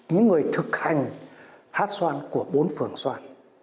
những người thực hành hát xoan của bốn phường xoan